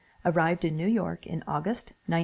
Arrived in New York in August, 1939.